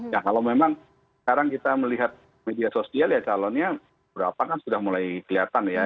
ya kalau memang sekarang kita melihat media sosial ya calonnya berapa kan sudah mulai kelihatan ya